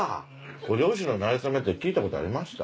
ご両親のなれ初めって聞いたことありました？